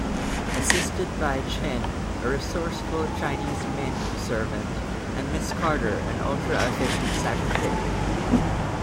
Assisted by Chin, a resourceful Chinese manservant, and Miss Carter, an ultra-efficient secretary.